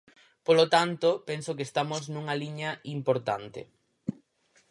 Polo tanto, penso que estamos nunha liña importante.